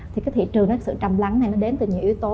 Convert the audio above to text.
thị trường sự trầm lắng đến từ nhiều yếu tố